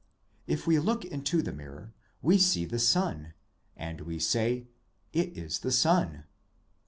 If we look into the mirror we see the sun, and we say : it is the sun.